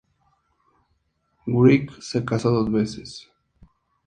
Wright se casó dos veces.